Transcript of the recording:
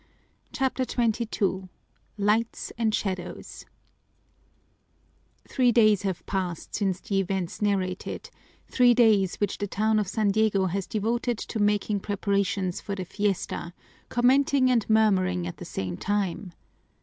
CHAPTER XXII Lights and Shadows Three days have passed since the events narrated, three days which the town of San Diego has devoted to making preparations for the fiesta, commenting and murmuring at the same time.